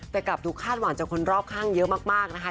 แต่กลับถูกคาดหวังจากคนรอบข้างเยอะมากนะคะ